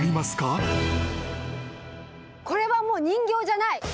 これはもう人形じゃない。